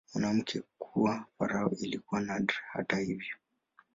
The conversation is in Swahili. Mwanamke kuwa farao ilikuwa nadra, hata hivyo.